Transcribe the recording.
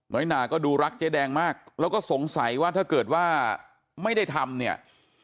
หนาก็ดูรักเจ๊แดงมากแล้วก็สงสัยว่าถ้าเกิดว่าไม่ได้ทำเนี่ย